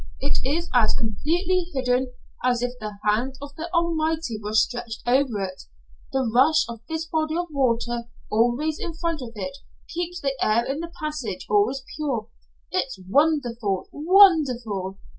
It is as completely hidden as if the hand of the Almighty were stretched over it. The rush of this body of water always in front of it keeps the air in the passage always pure. It's wonderful wonderful!"